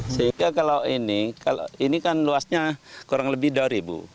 sehingga kalau ini ini kan luasnya kurang lebih dua ribu